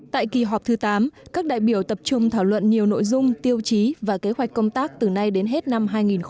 tại kỳ họp thứ tám các đại biểu tập trung thảo luận nhiều nội dung tiêu chí và kế hoạch công tác từ nay đến hết năm hai nghìn hai mươi